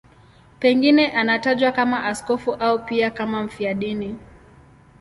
Pengine anatajwa kama askofu au pia kama mfiadini.